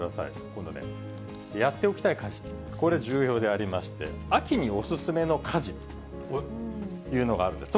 今度ね、やっておきたい家事、これ重要でありまして、秋にお勧めの家事というのがあるんです。